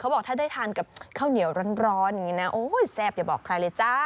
บอกถ้าได้ทานกับข้าวเหนียวร้อนอย่างนี้นะโอ้ยแซ่บอย่าบอกใครเลยจ้า